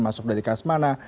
masuk dari kas mana